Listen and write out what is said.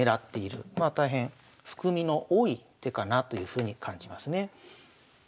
まあ大変含みの多い手かなというふうに感じますね。